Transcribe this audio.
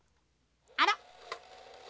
あら？